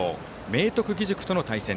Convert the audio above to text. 明徳義塾との対戦。